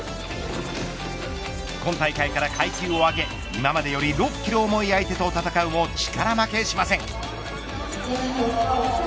今大会から階級を上げ今までより６キロ重い相手と戦うも、力負けしません。